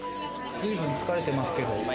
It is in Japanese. ずいぶん疲れてますけど。